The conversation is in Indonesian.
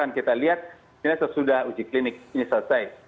jadi kita lihat ini sudah uji klinik ini selesai